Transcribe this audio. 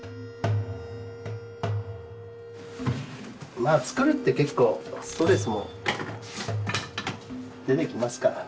まあ作るって結構ストレスも出てきますからね。